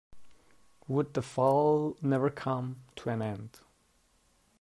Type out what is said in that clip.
Would the fall never come to an end!